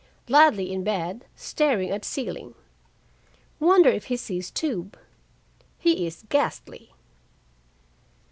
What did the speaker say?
Ladley in bed, staring at ceiling. Wonder if he sees tube? He is ghastly.